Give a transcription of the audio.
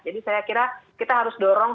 jadi saya kira kita harus dorong